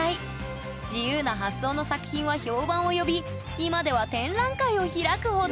自由な発想の作品は評判を呼び今では展覧会を開くほど！